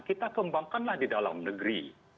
kita kembangkanlah di dalam negeri